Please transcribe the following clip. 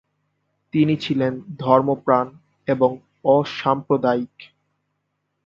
তিনি ছিলেন ধর্মপ্রাণ এবং অসাম্প্রদায়িক।